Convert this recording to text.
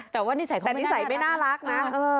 แต่นิสัยไม่น่ารักนะ